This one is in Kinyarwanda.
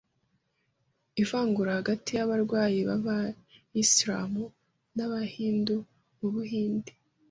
Ivangura hagati y’abarwayi b’abayislam n’abahindu mu buhinde